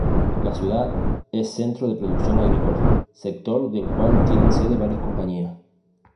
La ciudad es centro de producción agrícola, sector del cual tienen sede varias compañías.